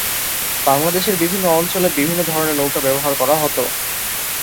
বাংলাদেশের বিভিন্ন অঞ্চলে বিভিন্ন ধরনের নৌকা ব্যবহার করা হত।